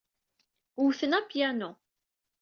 Wten apyanu.